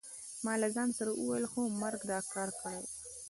ما له ځان سره وویل: هو مرګ دا کار کړی دی.